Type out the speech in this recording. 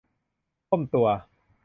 ก้มตัว